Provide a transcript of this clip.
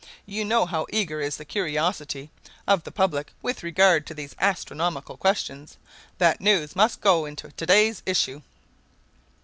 You know how eager is the curiosity of the public with regard to these astronomical questions. That news must go into to day's issue."